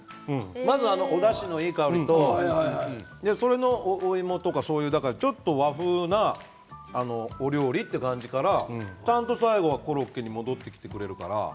まず、おだしのいい香りとお芋とかそういうちょっと和風なお料理という感じからちゃんと最後はコロッケに戻ってきてくれるから。